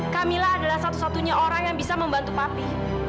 kamila adalah satu satunya orang yang bisa membantu papi